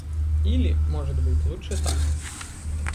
Или, может быть, лучше так?